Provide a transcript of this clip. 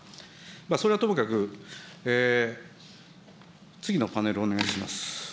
それはともかく、次のパネルお願いします。